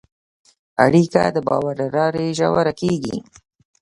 اړیکه د باور له لارې ژوره کېږي.